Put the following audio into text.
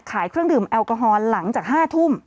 เครื่องดื่มแอลกอฮอลหลังจาก๕ทุ่ม